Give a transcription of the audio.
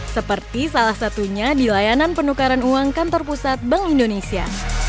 seperti salah satunya di layanan penukaran uang kantor pusat bank indonesia